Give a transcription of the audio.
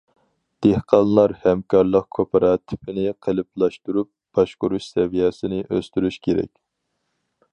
دېھقانلار ھەمكارلىق كوپىراتىپىنى قېلىپلاشتۇرۇپ باشقۇرۇش سەۋىيەسىنى ئۆستۈرۈش كېرەك.